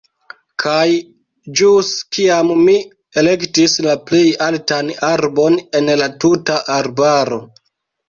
Kaj ĵus kiam mi elektis la plej altan arbon en la tuta arbaro.